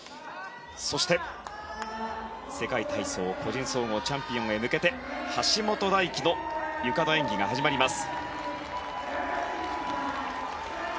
そして、世界体操個人総合チャンピオンへ向けて橋本大輝のゆかの演技が始まります。